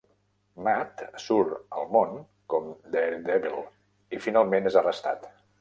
Matt surt al món com Daredevil i finalment és arrestat.